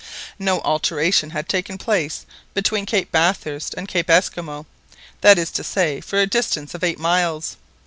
No alteration had taken place between Cape Bathurst and Cape Esquimaux, that is to say, for a distance of eight miles.